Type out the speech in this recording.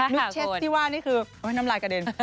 เชสที่ว่านี่คือน้ำลายกระเด็น